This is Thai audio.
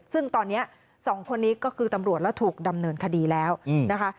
ซึ่งตอนนี้๒คนนี้ก็คือตำรวจแล้วถูกดำเนินคดีแล้วนะคะ